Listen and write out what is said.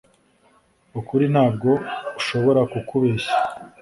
ukuri ntabwo ushobora kukubeshya